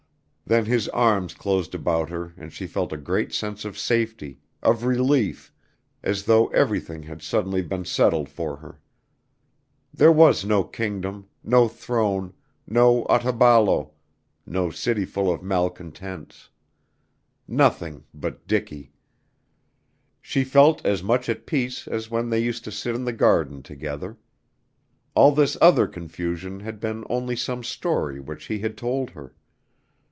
Then his arms closed about her and she felt a great sense of safety, of relief, as though everything had suddenly been settled for her. There was no kingdom, no throne, no Otaballo, no cityful of malcontents, nothing but Dicky. She felt as much at peace as when they used to sit in the garden together. All this other confusion had been only some story which he had told her.